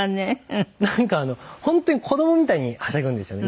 なんか本当に子どもみたいにはしゃぐんですよね